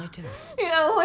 いやおい